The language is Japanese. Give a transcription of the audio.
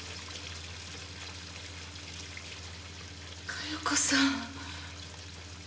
加代子さん。